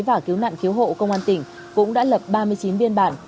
và cứu nạn cứu hộ công an tỉnh cũng đã lập ba mươi chín biên bản